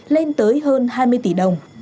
lên tới hơn hai mươi tỷ đồng